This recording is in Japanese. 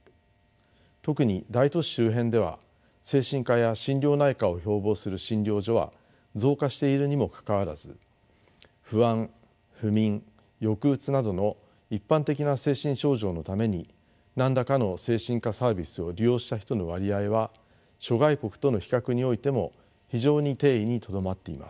特に大都市周辺では精神科や心療内科を標ぼうする診療所は増加しているにもかかわらず不安不眠抑うつなどの一般的な精神症状のために何らかの精神科サービスを利用した人の割合は諸外国との比較においても非常に低位にとどまっています。